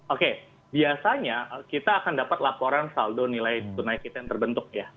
oke biasanya kita akan dapat laporan saldo nilai tunai kita yang terbentuk ya